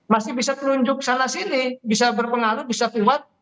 masih bisa telunjuk salah sini bisa berpengaruh bisa kuat